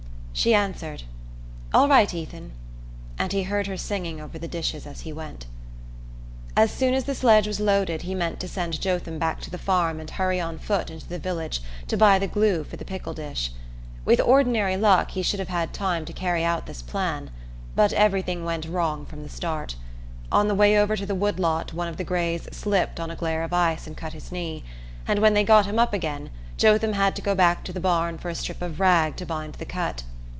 She answered "All right, Ethan," and he heard her singing over the dishes as he went. As soon as the sledge was loaded he meant to send Jotham back to the farm and hurry on foot into the village to buy the glue for the pickle dish. With ordinary luck he should have had time to carry out this plan; but everything went wrong from the start. On the way over to the wood lot one of the greys slipped on a glare of ice and cut his knee; and when they got him up again Jotham had to go back to the barn for a strip of rag to bind the cut.